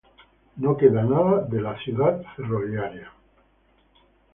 No queda nada de la ciudad ferroviaria.